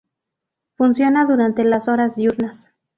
Funciona durante las horas diurnas.